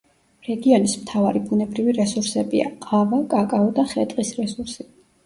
რეგიონის მთავარი ბუნებრივი რესურსებია: ყავა, კაკაო და ხე-ტყის რესურსი.